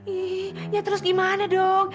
ih ya terus gimana dong